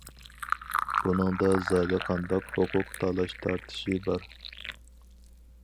بۇنىڭدا زادى قانداق ھوقۇق تالاش- تارتىشى بار؟.